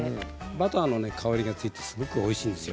バターの香りがついてすごくおいしいんですよ。